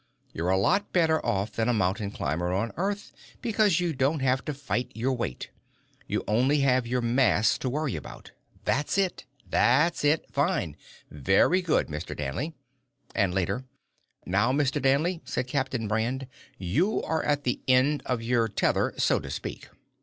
You're a lot better off than a mountain climber on Earth because you don't have to fight your weight. You have only your mass to worry about. That's it. Fine. Very good, Mr. Danley." And, later: "Now, Mr. Danley," said Captain Brand, "you are at the end of your tether, so to speak."